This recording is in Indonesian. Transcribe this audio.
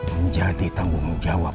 menjadi tanggung jawab